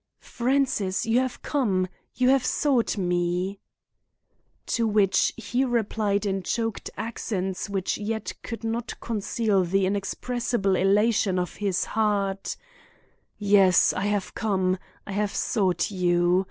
"'Francis, you have come! You have sought me!' "To which he replied in choked accents which yet could not conceal the inexpressible elation of his heart: "'Yes I have come, I have sought you.